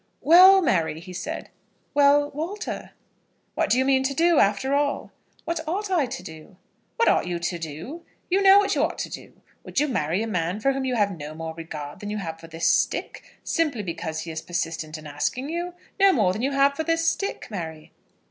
"Well, Mary!" he said. "Well, Walter!" "What do you mean to do, after all?" "What ought I to do?" "What ought you to do? You know what you ought to do. Would you marry a man for whom you have no more regard than you have for this stick, simply because he is persistent in asking you? No more than you have for this stick, Mary.